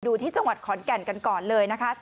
ที่จังหวัดขอนแก่นกันก่อนเลยนะคะ